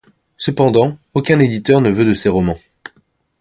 Cependant, aucun éditeur ne veut de ses romans.